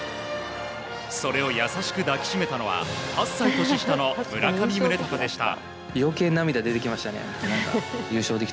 それを優しく抱きしめたのは８歳年下の村上宗隆でした。